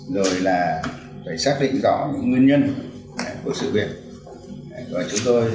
rồi là phải xác định rõ những nguyên nhân của sự việc